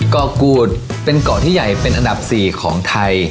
เกาะกูดเป็นเกาะที่ใหญ่เป็นอันดับ๔ของไทย